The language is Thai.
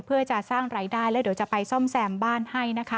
เพื่อจะสร้างรายได้แล้วเดี๋ยวจะไปซ่อมแซมบ้านให้นะคะ